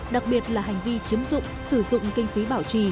đặc biệt là hành vi chiếm dụng sử dụng kinh phí bảo trì